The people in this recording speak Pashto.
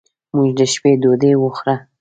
موږ د شپې ډوډۍ وخوړه.